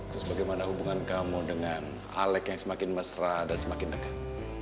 terus bagaimana hubungan kamu dengan alek yang semakin mesra dan semakin dekat